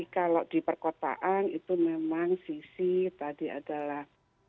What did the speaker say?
kalau di perkotaan itu memang sisi tadi adalah